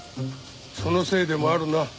そのせいでもあるな。